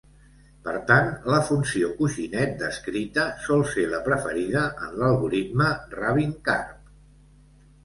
Per tant, la funció coixinet descrita sol ser la preferida en l'algoritme Rabin-Karp.